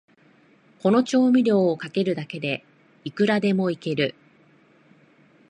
この調味料をかけるだけで、いくらでもイケる